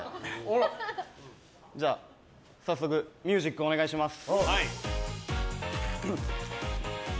じゃあ早速ミュージックお願いします。